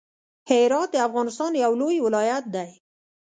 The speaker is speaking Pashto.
هرات د افغانستان يو لوی ولايت دی.